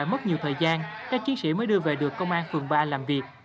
mất nhiều thời gian các chiến sĩ mới đưa về được công an phường ba làm việc